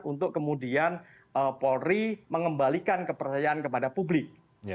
untuk kemudian polri mengembalikan kepercayaan kepada publik